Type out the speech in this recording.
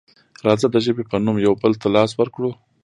راځه د ژبې په نوم یو بل ته لاس ورکړو.